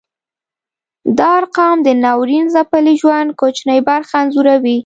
دا ارقام د ناورین ځپلي ژوند کوچنۍ برخه انځوروي.